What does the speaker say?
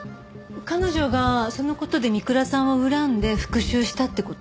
彼女がその事で三倉さんを恨んで復讐したって事？